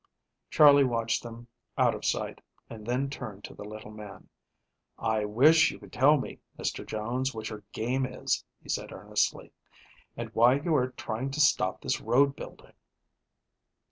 Charley watched them out of sight, and then turned to the little man. "I wish you would tell me, Mr. Jones, what your game is," he said earnestly, "and why you are trying to stop this road building."